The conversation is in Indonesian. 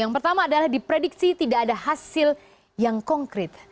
yang pertama adalah diprediksi tidak ada hasil yang konkret